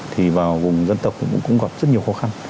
thì vào vùng dân tộc cũng gặp rất nhiều khó khăn